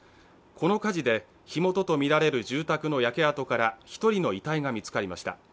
この火事で火元とみられる住宅の焼け跡から１人の遺体が見つかりました。